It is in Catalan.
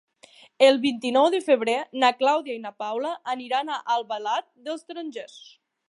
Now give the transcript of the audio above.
El vint-i-nou de febrer na Clàudia i na Paula aniran a Albalat dels Tarongers.